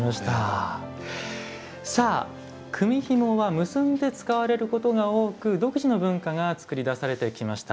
さあ組みひもは結んで使われることが多く独自の文化が作り出されてきました。